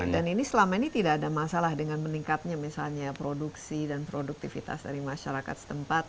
dan ini selama ini tidak ada masalah dengan meningkatnya misalnya produksi dan produktivitas dari masyarakat setempat